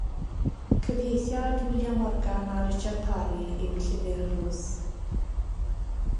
Cyfieithiad William Morgan a Richard Parry yw Llyfr Ruth.